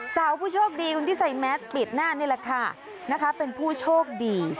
สาวผู้โชคดีคนที่ใส่แมสปิดหน้านี่แหละค่ะนะคะเป็นผู้โชคดี